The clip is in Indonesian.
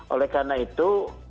oleh karena itu